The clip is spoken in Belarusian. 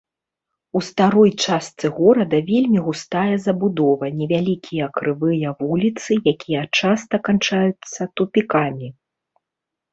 У старой частцы горада вельмі густая забудова, невялікія крывыя вуліцы, якія часта канчаюцца тупікамі.